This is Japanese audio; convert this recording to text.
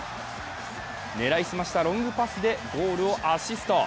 狙い澄ましたロングパスでゴールをアシスト。